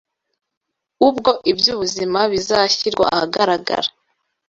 ubwo iby’ubuzima bizashyirwa ahagaragara